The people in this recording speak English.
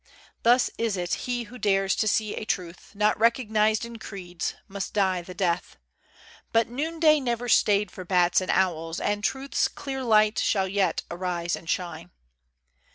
Thus is it, he who dares to see a Truth Not recognized in creeds, must die the death. But noon day never stayed for bats and owls, And Truth's clear light shall yet arise and shine.